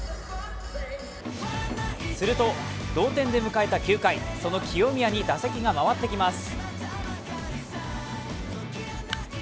すると同点で迎えた９回、その清宮に打席がまわってきます。